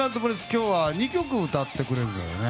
今日は２曲歌ってくれるんだよね。